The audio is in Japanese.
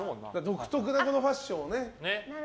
独特なファッションのね。